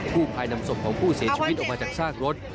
ภายนำศพของผู้เสียชีวิตออกมาจากซากรถ